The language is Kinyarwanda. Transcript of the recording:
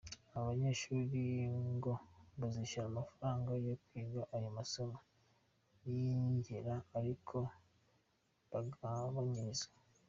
Aba banyeshuri ngo bazishyura amafaranga yo kwiga ayo masomo y’ingera ariko bagabanyirizwe.